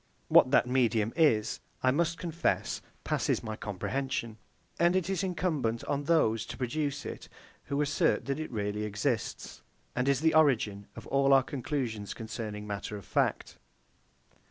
What that medium is, I must confess, passes my comprehension; and it is incumbent on those to produce it, who assert that it really exists, and is the origin of all our conclusions concerning matter of fact.